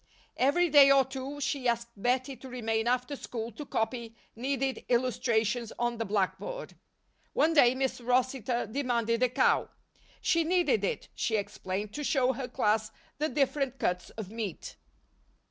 Every day or two she asked Bettie to remain after school to copy needed illustrations on the blackboard. One day, Miss Rossitor demanded a cow. She needed it, she explained, to show her class the different cuts of meat.